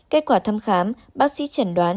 kết quả thăm khám bác sĩ chẩn đoán